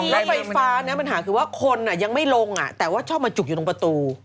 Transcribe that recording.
แล้วไฟฟ้านะปัญหาคือว่าคนยังไม่ลงแต่ว่าชอบมาจุกอยู่ตรงประตู